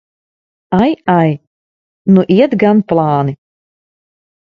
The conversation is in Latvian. Ai, ai! Nu iet gan plāni!